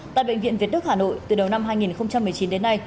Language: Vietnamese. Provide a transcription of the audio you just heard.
tại bệnh viện việt đức hà nội từ đầu năm hai nghìn một mươi chín đến nay